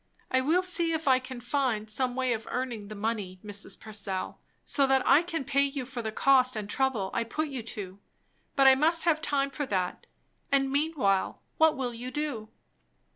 "I will see if I can find some way of earning the money, Mrs. Purcell, so that I can pay you for the cost and trouble I put you to. But I must have time for that; and meanwhile, what will you do?"